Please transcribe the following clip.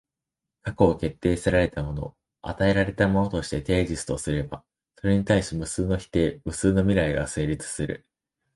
過去を決定せられたもの、与えられたものとしてテージスとすれば、それに対し無数の否定、無数の未来が成立する。